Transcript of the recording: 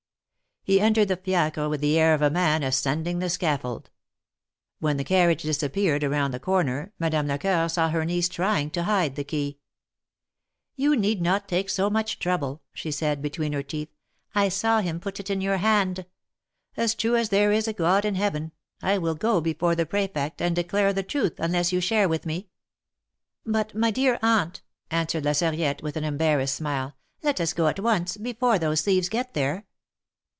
He entered the fiacre with the air of a man ascending the scaffold. When the carriage disappeared around the corner, Madame Lecoeur saw her niece trying to hide the key. " You need not take so much trouble," she said, between her teeth, " I saw him put it in your hand. As true as there is a God in Heaven, I will go before the Prefect and declare the truth unless you share with me." But, my dear Aunt," answered La Sarriette, with an embarrassed smile, 'Get us go at once, before those thieves get there."